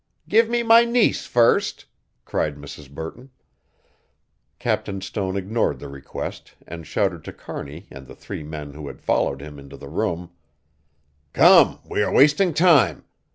"Give me my niece first," cried Mrs. Burton. Captain Stone ignored the request and shouted to Kearney and the three men who had followed him into the room: "Come, we are wasting time.